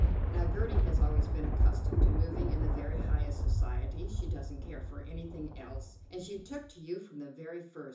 Now Gertie has always been accustomed to moving in the very highest society. She doesn't care for anything else, and she took to you from the very first.